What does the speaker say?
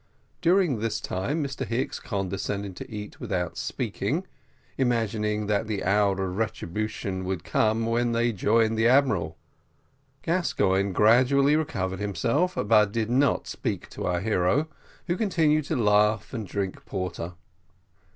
During this time Mr Hicks condescended to eat without speaking, imagining that the hour of retribution would come when they joined the admiral. Gascoigne gradually recovered himself, but did not speak to our hero, who continued to laugh and drink porter.